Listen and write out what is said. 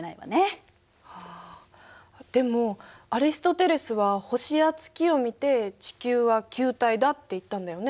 あでもアリストテレスは星や月を見て地球は球体だって言ったんだよね。